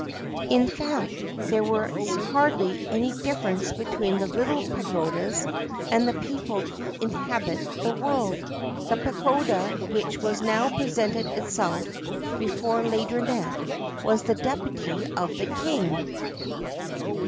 In fact there was hardly any difference between the little pagodas and the people who inhabit the world. The pagoda which now presented itself before Laideronnette was the deputy of the King.